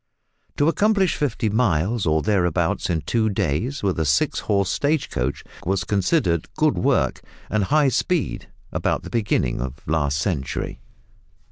To accomplish fifty miles or thereabouts in two days with a six horse stage coach, was considered good work and high speed about the beginning of last century.